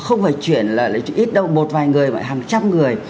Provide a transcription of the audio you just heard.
không phải chuyển là lấy ít đâu một vài người mà hàng trăm người